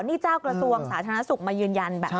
นี่เจ้ากระทรวงสาธารณสุขมายืนยันแบบนี้